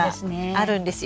あるんですよ。